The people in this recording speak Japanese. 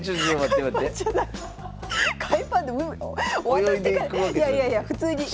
いやいやいや普通に。